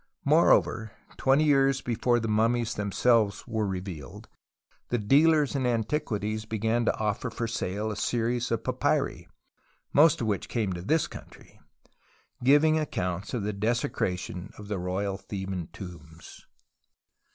JNloreover, twenty years before the mummies themselves were revealed, the dealers in antiquities began to offer for sale a series of papyri (most of which came to this country) giving accounts of the desecration of the royal Tlieban tombs.